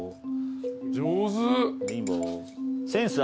上手。